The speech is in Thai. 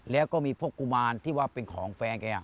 แล้วก็มีพวกกุมารที่ว่าเป็นของแฟนแก